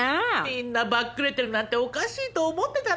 みんなバックレてるなんておかしいと思ってたのよ。